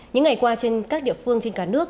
những ngày qua trên các địa phương trên cả nước